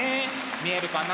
見えるかな？